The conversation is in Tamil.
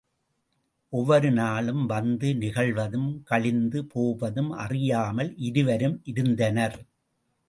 ஒவ்வொரு நாளும் வந்து நிகழ்வதும் கழிந்து போவதும் அறியாமல் இருவரும் இருந்தனர்.